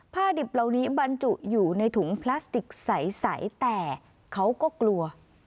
ดิบเหล่านี้บรรจุอยู่ในถุงพลาสติกใสแต่เขาก็กลัว